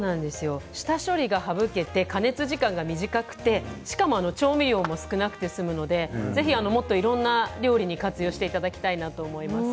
下処理が省けて加熱時間が短くてしかも調味料も少なくて済むのでぜひ、もっといろんな料理に活用していただきたいなと思います。